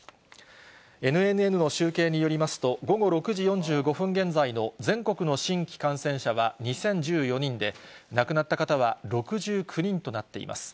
ＮＮＮの集計によりますと、午後６時４５分現在の全国の新規感染者は２０１４人で、亡くなった方は６９人となっています。